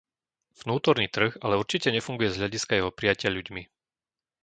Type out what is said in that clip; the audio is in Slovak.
Vnútorný trh ale určite nefunguje z hľadiska jeho prijatia ľuďmi.